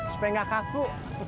supaya gak kaku